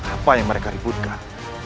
apa yang mereka ributkan